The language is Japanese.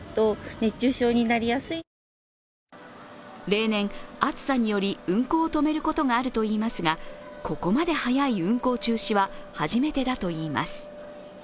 例年、暑さにより運行を止めることがあるといいますがここまで早い運行中止は初めてだといいます。